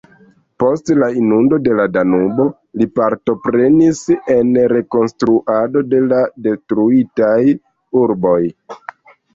Post la Inundo de la Danubo li partoprenis en rekonstruado de la detruitaj urboj.